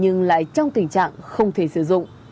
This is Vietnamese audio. nhưng lại trong tình trạng không thể sử dụng